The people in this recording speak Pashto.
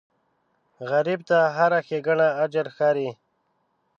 غریب ته هره ښېګڼه اجر ښکاري